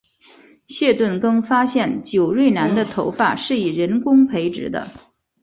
谢顿更发现久瑞南的头发是以人工培植的。